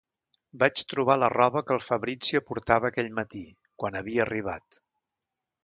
Vaig trobar la roba que el Fabrizio portava aquell matí, quan havia arribat.